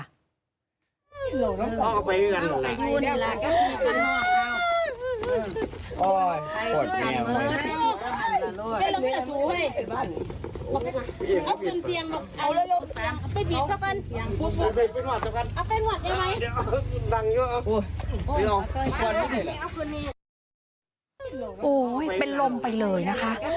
อ้าวเป็นหวัดไหมเอานังเยอะอุ๊ยโอ้ยเป็นลมไปเลยนะคะ